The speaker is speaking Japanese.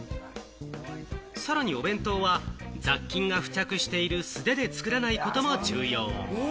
さらにお弁当は雑菌が付着している素手で作らないことも重要。